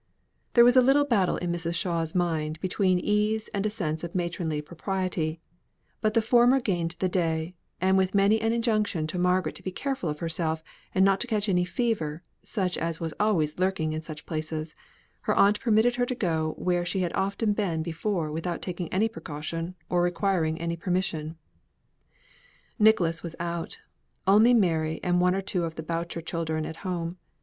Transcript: There was a little battle in Mrs. Shaw's mind between ease and a sense of matronly propriety; but the former gained the day; and with many an injunction to Margaret to be careful of herself, and not to catch any fever, such as was always lurking in such places, her aunt permitted her to go where she had often been before without taking any precaution or requiring any permission. Nicholas was out; only Mary and one or two of the Boucher children at home.